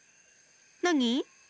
なに？